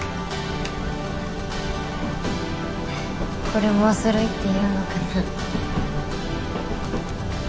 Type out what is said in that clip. これもおそろいって言うのかな？